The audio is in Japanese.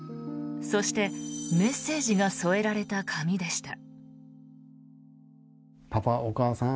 そして、メッセージが添えられた紙でした。